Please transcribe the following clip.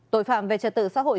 tội phạm về trật tự xã hội